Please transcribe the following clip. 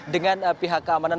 dengan pihak keamanan